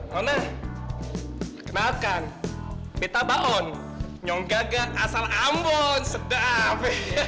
tone kenalkan beta baon nyong gaga asal ambon sedap